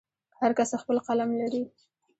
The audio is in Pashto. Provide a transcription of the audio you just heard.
هر کس خپل قلم لري.